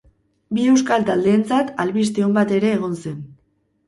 Bi euskal taldeentzat albiste on bat ere egon zen.